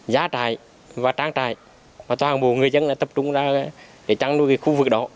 giá trại và trang trại toàn bộ người dân tập trung ra trang nuôi khu vực đó